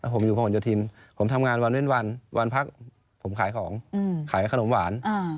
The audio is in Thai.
ผมอยู่พระหลโยธินผมทำงานวันเว่นวันวันพักผมขายของขายขนมหวาน